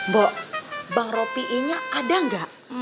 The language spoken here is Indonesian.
bo bang ropi i nya ada enggak